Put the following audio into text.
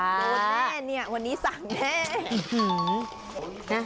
โดนแน่เนี่ยวันนี้สั่งแน่